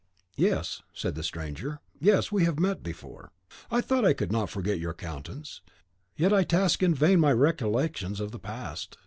"Yes," said the stranger, "yes, we have met before." "I thought I could not forget your countenance; yet I task in vain my recollections of the past."